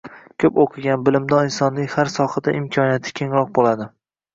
Ko‘p o‘qigan, bilimdon insonning har sohada imkoniyati kengroq bo‘ladi.